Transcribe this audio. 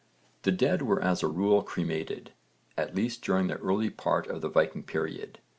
The dead were as a rule cremated, at least during the earlier part of the Viking period.